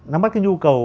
nắm mắt cái nhu cầu